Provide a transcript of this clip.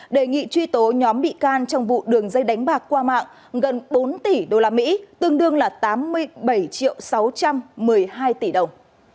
đề nghị truy tố nhóm bị can trong vụ đường dây đánh bạc qua mạng gần bốn tỷ usd tương đương là tám mươi bảy sáu trăm một mươi hai tỷ đồng